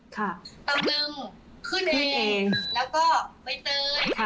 ตำนึงขึ้นเองแล้วก็ใบเตื้อยครับ